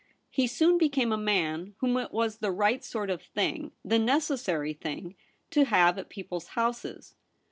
He soon became a man whom it was the right sort of thing, the necessary thing, to have at people's houses.